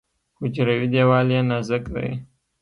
حجروي دیوال یې نازک دی.